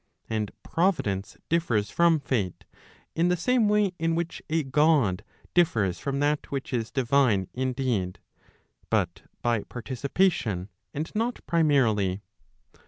And Providence differs from Fate, in the same way in which a God differs from that which is divine indeed, but by participation and not primarily.